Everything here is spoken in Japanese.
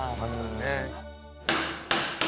ねえ。